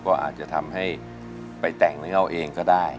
ก็อาจจะทำให้ไปแต่งให้เขาเองก็ได้